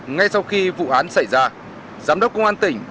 ngay sau khi vụ án xảy ra giám đốc công an tỉnh